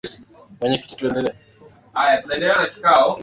Viatumiwani na vinginevyo vingi ikiwa na sahani zenye namba za bandia za usajili